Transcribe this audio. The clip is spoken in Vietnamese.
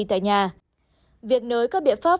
tại nhà việc nới các biện pháp